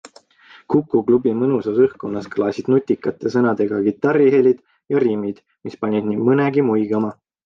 Kuku klubi mõnusas õhkkonnas kõlasid nutikate sõnadega kitarrihelid ja riimid, mis panid nii mõnegi muigama.